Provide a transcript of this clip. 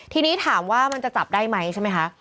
ทีนี้ถามว่ามันจะจับได้ไหมใช่ไหมคะ